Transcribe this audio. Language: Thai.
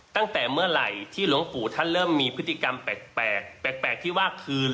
ตั้งแต่เมื่อไหร่ที่หลวงปู่ท่านเริ่มมีพฤติกรรมแปลกแปลกที่ว่าคือ